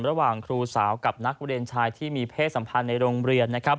ระหว่างครูสาวกับนักเรียนชายที่มีเพศสัมพันธ์ในโรงเรียนนะครับ